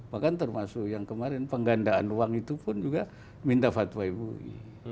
bahkan termasuk yang kemarin penggandaan uang itu pun juga minta fatwa mui